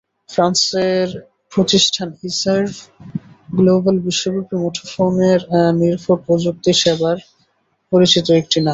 ফ্রান্সের প্রতিষ্ঠান eServ global বিশ্বব্যাপী মুঠোফোন নির্ভর প্রযুক্তি সেবায় পরিচিত একটি নাম।